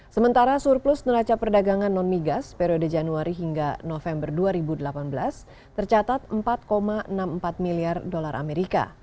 sementara surplus neraca perdagangan non migas periode januari hingga november dua ribu delapan belas tercatat empat enam puluh empat miliar dolar amerika